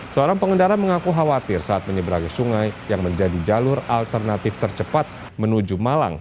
seorang pengendara mengaku khawatir saat menyeberangi sungai yang menjadi jalur alternatif tercepat menuju malang